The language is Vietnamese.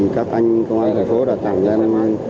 các anh công an thành phố đã tặng cho em